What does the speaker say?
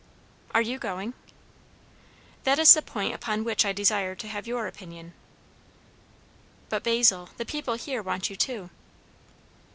"Are you going?" "That is the point upon which I desire to have your opinion." "But, Basil, the people here want you too."